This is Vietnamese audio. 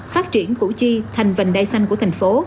phát triển củ chi thành vành đai xanh của thành phố